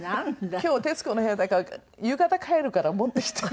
「今日『徹子の部屋』だから夕方帰るから持ってきて」。